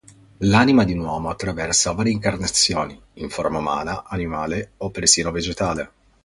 L'anima di un uomo attraversa varie incarnazioni, in forma umana, animale o persino vegetale.